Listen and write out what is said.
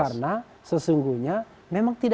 karena sesungguhnya kita harus mengatakan